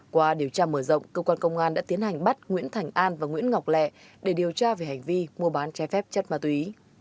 qua điều tra mở rộng cơ quan công an đã tiến hành bắt nguyễn thành an và nguyễn ngọc lẹ để điều tra về hành vi mua bán trái phép chất ma túy